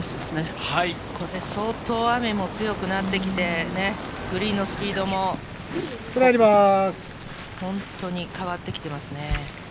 これ相当、雨も強くなってきてグリーンのスピードも本当に変わってきていますね。